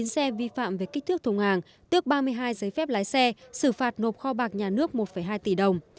một mươi xe vi phạm về kích thước thùng hàng tước ba mươi hai giấy phép lái xe xử phạt nộp kho bạc nhà nước một hai tỷ đồng